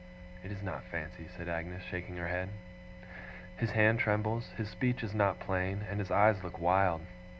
'It is not fancy,' said Agnes, shaking her head. 'His hand trembles, his speech is not plain, and his eyes look wild.